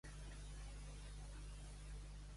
Nascut a Buenos Aires, fou un granollerí d'adopció.